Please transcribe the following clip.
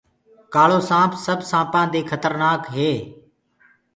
ڪآݪوسآنٚپ سب سآپآنٚ مي کترنآڪ هي